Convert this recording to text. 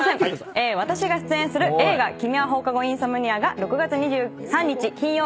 私が出演する映画『君は放課後インソムニア』が６月２３日金曜日から公開になります。